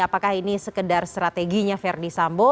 apakah ini sekedar strateginya verdi sambo